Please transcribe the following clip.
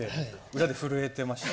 裏で震えてました。